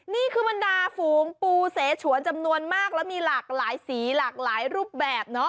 นี่คือบรรดาฝูงปูเสฉวนจำนวนมากแล้วมีหลากหลายสีหลากหลายรูปแบบเนาะ